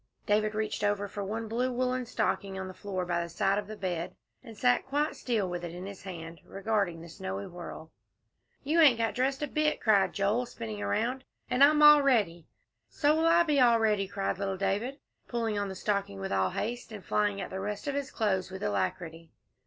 David reached over for one blue woollen stocking on the floor by the side of the bed, and sat quite still with it in his hand, regarding the snowy whirl. "You ain't got dressed a bit," cried Joel, spinning around, "and I'm all ready." "So will I be all ready," cried little David, pulling on the stocking with all haste, and flying at the rest of his clothes with alacrity.